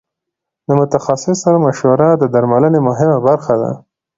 له متخصص سره مشوره د درملنې مهمه برخه ده.